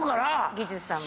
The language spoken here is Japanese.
技術さんも。